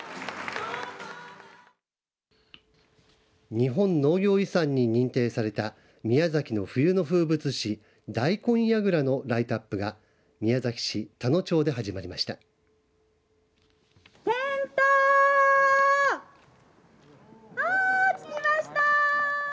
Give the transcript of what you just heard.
日本農業遺産に認定された宮崎の冬の風物詩大根やぐらのライトアップが宮崎市田野町で始まりました。